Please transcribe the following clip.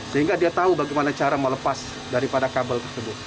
sehingga dia tahu bagaimana cara melepas daripada kabel tersebut